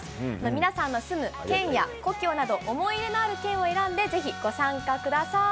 皆さんの住む県や故郷など、思い入れのある県を選んで、ぜひご参加ください。